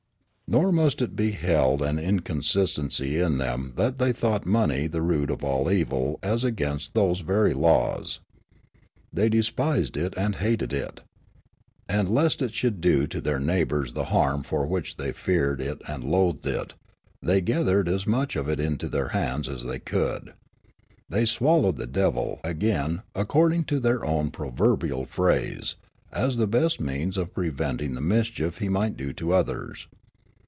Nor must it be held an inconsistency in them that they thought money the root of all evil as against those verN^ laws. They despised it and hated it. And lest it should do to their neighbours the harm for which they feared it and loathed it, they gathered as much of it into their hands as they could. " They swallowed the devil " again, according to their own proverbial phrase, as the best means of preventing the mischief he might do to others.